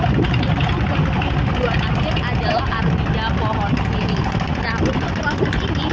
proses perarakan di jumat agung